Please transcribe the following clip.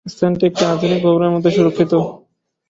স্থানটি একটি আধুনিক ভবনের মধ্যে সুরক্ষিত।